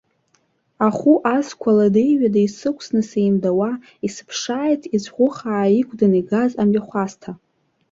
Ахәы азқәа ладеиҩадеи сықәсны сеимдауа, исыԥшааит ицәӷәыхаа иқәдан игаз амҩахәасҭа.